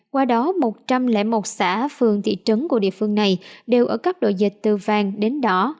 qua đó một trăm linh một xã phường thị trấn của địa phương này đều ở cấp độ dịch từ vàng đến đỏ